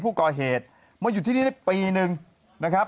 ผู้ก่อเหตุมาอยู่ที่นี่ได้ปีนึงนะครับ